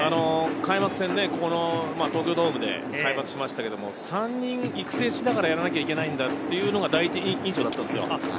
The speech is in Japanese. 開幕戦で東京ドームでしたけど、３人育成しながらやらなきゃいけないなっていうのが第１印象だったんですよ。